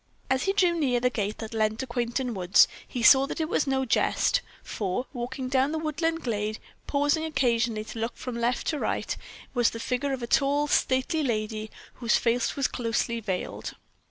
As he drew near the gate that led to Quainton woods, he saw that it was no jest, for walking down the woodland glade, pausing occasionally to look from right to left, was the figure of a tall, stately lady, whose face was closely veiled.